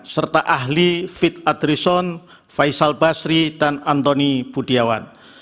serta ahli fit adrison faisal basri dan antoni budiawan